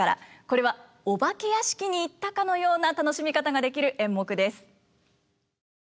これはお化け屋敷に行ったかのような楽しみ方ができる演目です。